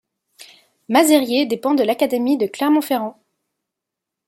Mazerier dépend de l'académie de Clermont-Ferrand.